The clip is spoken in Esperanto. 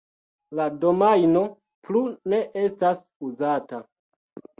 La domajno plu ne estas uzata.